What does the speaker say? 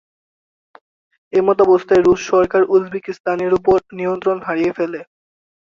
এমতাবস্থায় রুশ সরকার উজবেকিস্তানের ওপর নিয়ন্ত্রণ হারিয়ে ফেলে।